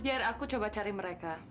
biar aku coba cari mereka